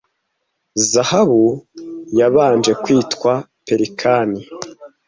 Zahabu yabanje kwitwa Pelikani